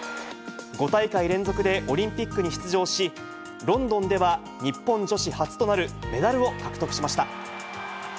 ５大会連続でオリンピックに出場し、ロンドンでは日本女子初となるメダルを獲得しました。